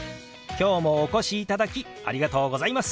今日もお越しいただきありがとうございます。